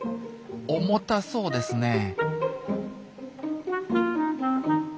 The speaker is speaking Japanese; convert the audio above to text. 重たそうですねえ。